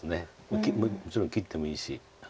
もちろん切ってもいいし。